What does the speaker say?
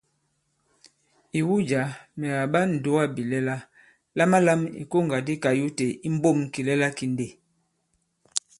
Ìwu jǎ, mɛ̀ kàɓa ǹdugabìlɛla, lamalam ìkoŋgà di kayute i mbǒm kìlɛla ki ndê.